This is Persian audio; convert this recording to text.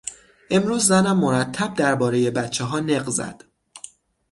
امروز زنم مرتب دربارهی بچهها نق زد.